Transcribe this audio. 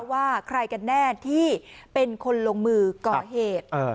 ว่าใครกันแน่ที่เป็นคนลงมือก่อเหตุ